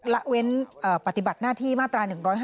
ละเว้นปฏิบัติหน้าที่มาตรา๑๕